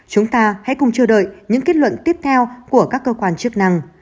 chúng ta hãy cùng chờ đợi những kết luận tiếp theo của các cơ quan chức năng